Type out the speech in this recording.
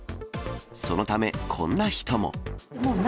そのため、こんな人も。